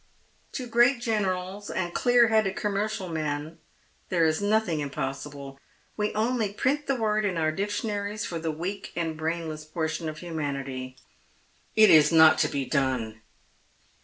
To great generals and clear hcp.ded commercial men there is nothing impossible. We only print the word in our dictionaries for the weak and brainlesn portion of humanity." " It is not to be done."